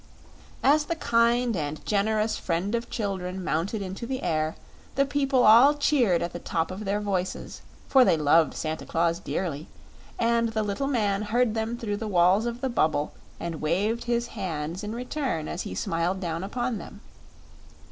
As the kind and generous friend of children mounted into the air the people all cheered at the top of their voices, for they loved Santa Claus dearly; and the little man heard them through the walls of his bubble and waved his hands in return as he smiled down upon them.